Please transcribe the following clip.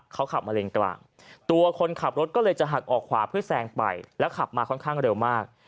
เขาขับมาเลนกลางตัวคนขับรถก็เลยจะหักออกขวาเพื่อแซงไปแล้วขับมาค่อนข้างเร็วมาก